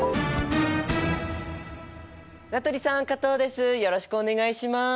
名取さん加藤です。